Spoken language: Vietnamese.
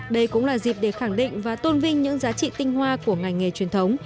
đây cũng là dịp để khẳng định và tôn vinh những giá trị tinh hoa của ngành nghề truyền thống